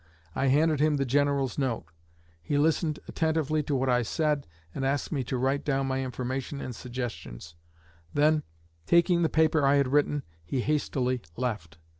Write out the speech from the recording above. I handed him the General's note. He listened attentively to what I said, and asked me to write down my information and suggestions. Then, taking the paper I had written, he hastily left.